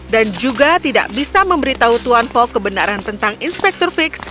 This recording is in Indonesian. dan juga tidak bisa memberitahu tuan fogg kebenaran tentang inspektur fix